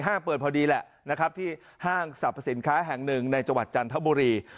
เปิดพอดีแหละนะครับที่ห้างสรรพสินค้าแห่งหนึ่งในจังหวัดจันทบุรี